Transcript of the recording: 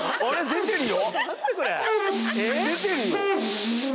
出てるよ。